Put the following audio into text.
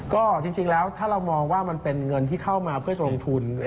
ก็จริงแล้วถ้าเรามองว่ามันเป็นเงินที่เข้ามาเพื่อจะลงทุน